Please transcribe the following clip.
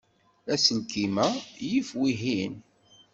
Aselkim-a yif wihin.